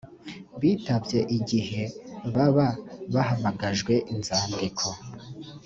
bitabye igihe baba bahamagajwe inzandiko